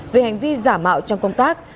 về hành vi giả mạo trong công tác